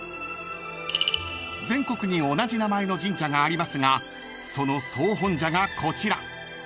［全国に同じ名前の神社がありますがその総本社がこちら］